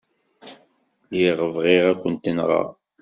Lliɣ bɣiɣ ad kent-nɣeɣ.